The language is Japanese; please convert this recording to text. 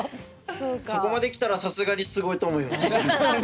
そこまできたらさすがにすごいと思います。